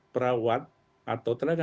perawat atau tenaga